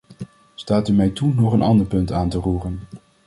Staat u mij toe nog een ander punt aan te roeren.